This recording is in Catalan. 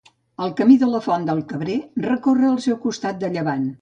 El Camí de la Font del Cabrer recorre el seu costat de llevant.